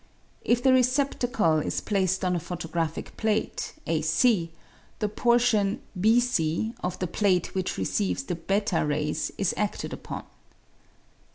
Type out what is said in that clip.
If the receptacle is placed on a photographic plate, a c, the portion, B c, of the plate which receives the fl rays is adted upon.